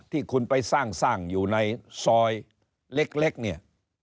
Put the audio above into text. ที่คุณไปสร้างอยู่ในซอยเล็กเนี่ย